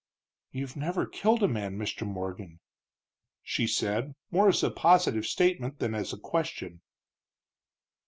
"You've never killed a man, Mr. Morgan," she said, more as a positive statement than as a question.